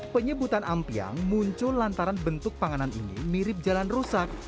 penyebutan ampiang muncul lantaran bentuk panganan ini mirip jalan rusak